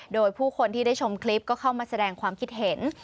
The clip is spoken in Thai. โดยผู้คนที่ได้ชมคลิปก็เข้ามาแสดงความคิดเห็น